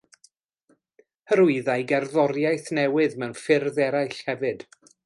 Hyrwyddai gerddoriaeth newydd mewn ffyrdd eraill hefyd.